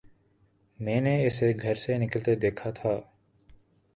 میں نے اسے گھر سے نکلتے دیکھا تھا